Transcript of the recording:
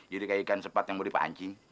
jadi kayak ikan sepat yang mau dipancing